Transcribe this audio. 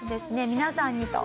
皆さんにと。